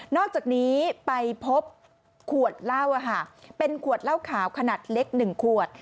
อกจากนี้ไปพบขวดเหล้าเป็นขวดเหล้าขาวขนาดเล็ก๑ขวด